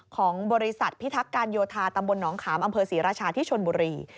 ของบริษัทพิทักษ์การโยธาตำบลหนองขามอำเภอศรีราชาที่ชนบุรี